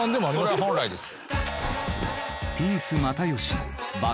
それは本来です！